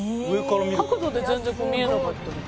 角度で全然見えなかったりとか。